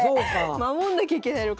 守んなきゃいけないのか。